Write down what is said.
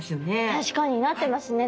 確かになってますね